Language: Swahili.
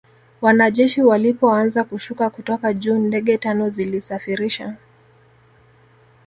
wanajeshi walipoanza kushuka kutoka juu Ndege tano zilisafirisha